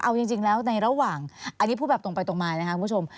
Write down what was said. เอาจริงแล้วในระหว่างอันนี้พูดแบบตรงไปตรงมานะคะคุณผู้ชม